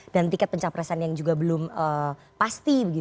dan tiket pencapresan yang juga belum pasti